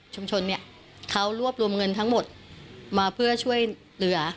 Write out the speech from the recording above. เนี่ยเขารวบรวมเงินทั้งหมดมาเพื่อช่วยเหลือ